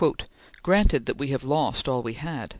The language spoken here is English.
"Granted that we have lost all we had!